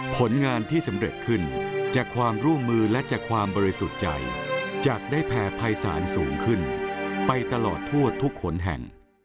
ผลงานที่สำเร็จขึ้นจากความร่วมมือและจากความบริสุทธิ์ใจจากได้แผ่ภัยศาลสูงขึ้นไปตลอดทั่วทุกขนแห่ง